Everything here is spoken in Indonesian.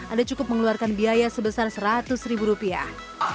anda cukup mengeluarkan biaya sebesar seratus ribu rupiah